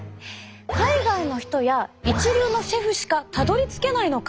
海外の人や一流のシェフしかたどりつけないのか？